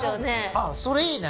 あっそれいいね！